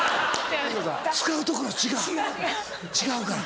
使うところ違う違うから。